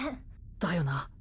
だよな。